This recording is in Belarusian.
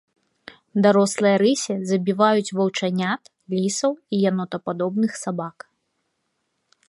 Дарослыя рысі забіваюць ваўчанят, лісаў і янотападобных сабак.